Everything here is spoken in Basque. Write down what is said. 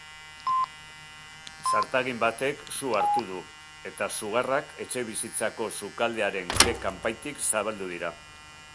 Zartagin batek su hartu du eta sugarrak etxebizitzako sukaldearen ke-kanpaitik zabaldu dira.